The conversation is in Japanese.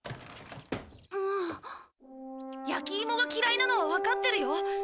ヤキイモが嫌いなのはわかってるよ。